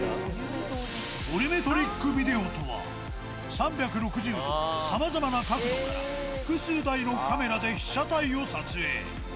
ボリュメトリックビデオとは、３６０度、さまざまな角度から、複数台のカメラで被写体を撮影。